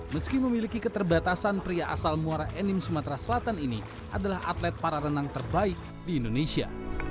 meski memiliki keterbatasan pria asal muara enim sumatera selatan ini adalah atlet para renang terbaik di indonesia